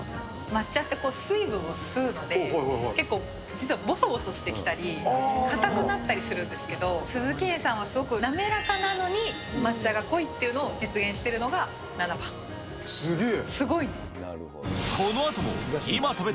抹茶って、水分を吸うので、結構、実はぼそぼそしてきたり、かたくなったりするんですけど、壽々喜園さんは、すごく滑らかなのに抹茶が濃いっていうのを実現してるのが、すげえ。